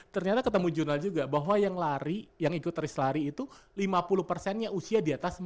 ternyata ketemu jurnal juga bahwa yang lari yang ikut taris lari itu lima puluh persennya usia di atas empat puluh